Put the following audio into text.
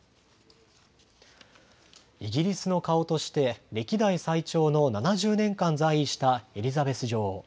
イギリスの顔として歴代最長の７０年間在位したエリザベス女王。